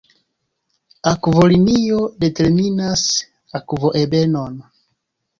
Akvolinio determinas akvoebenon.